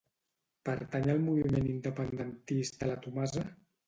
Pertany al moviment independentista la Tomasa?